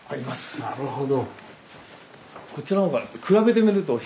なるほど。